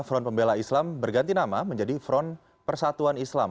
front pembela islam berganti nama menjadi front persatuan islam